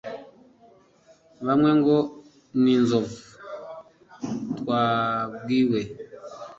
Bamwe ngo: "Ni inzovu twabwiwe!"